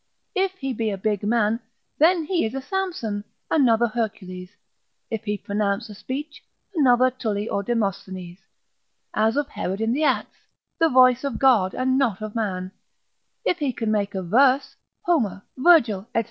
If he be a big man, then is he a Samson, another Hercules; if he pronounce a speech, another Tully or Demosthenes; as of Herod in the Acts, the voice of God and not of man: if he can make a verse, Homer, Virgil, &c.